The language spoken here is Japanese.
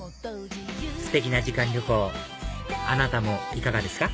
ステキな時間旅行あなたもいかがですか？